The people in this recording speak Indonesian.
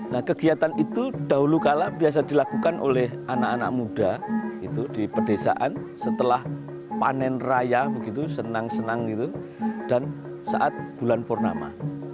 nah kegiatan itu dahulu kala biasa dilakukan oleh anak anak muda di pedesaan setelah panen raya begitu senang senang gitu dan saat bulan purnama